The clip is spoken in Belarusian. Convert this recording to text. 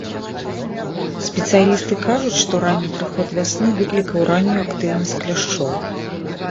Спецыялісты кажуць, што ранні прыход вясны выклікаў раннюю актыўнасць кляшчоў.